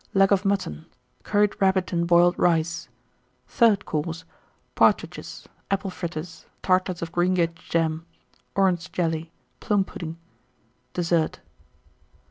Leg of Mutton. Curried Rabbit and Boiled Rice. THIRD COURSE. Partridges. Apple Fritters. Tartlets of Greengage Jam. Orange Jelly. Plum pudding. DESSERT.